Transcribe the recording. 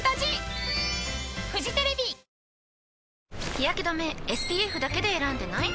日やけ止めＳＰＦだけで選んでない？